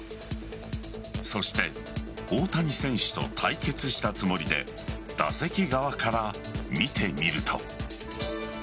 そして大谷選手と対決したつもりで打席側から見てみると。